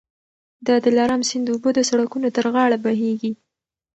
د دلارام سیند اوبه د سړکونو تر غاړه بهېږي.